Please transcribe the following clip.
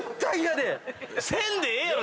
せんでええやろ！